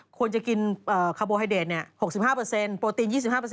ควรจะกินคาร์โบไฮเดท๖๕โปรตีน๒๕